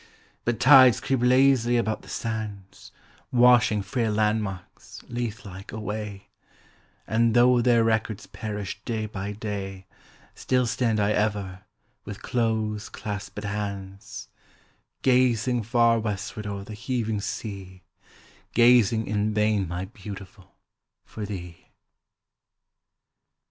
But tides creep lazily about the sands, Washing frail landmarks, Lethe like, away, And though their records perish day by day, Still stand I ever, with close claspèd hands, Gazing far westward o'er the heaving sea, Gazing in vain, my Beautiful, for thee.